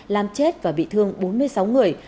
làm chết và bị thương bốn mươi sáu người